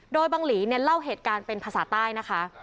โดยบังหลีเนี่ยเล่าเหตุการณ์เป็นภาษาใต้นะคะ